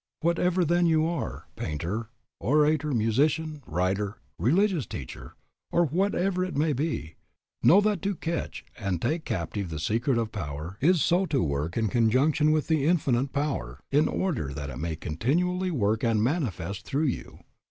Whatever then you are, painter, orator, musician, writer, religious teacher, or whatever it may be, know that to catch and take captive the secret of power is so to work in conjunction with the Infinite Power, in order that it may continually work and manifest through you.